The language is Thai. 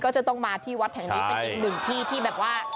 ก็จะต้องมาที่วัดแห่งนี้เป็นอีกหนึ่งที่ที่แบบว่า